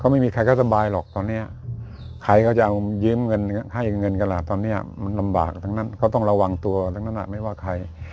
มันนำบากตรงนั้นเขาต้องระวังตัวตรงนั้นไม่ว่าใคร